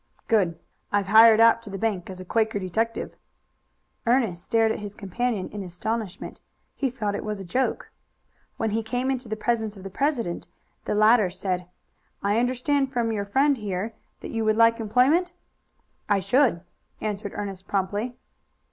"Good. I've hired out to the bank as a Quaker detective." Ernest stared at his companion in astonishment. He thought it was a joke. When he came into the presence of the president the latter said: "I understand from your friend here that you would like employment?" "I should," answered Ernest promptly.